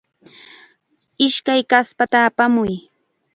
Ishkay kaspata apamuy.